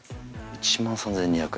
１万３２００円！